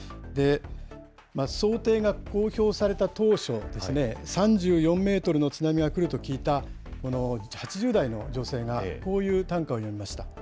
想定が公表された当初ですね、３４メートルの津波が来ると聞いた８０代の女性が、こういう短歌を詠みました。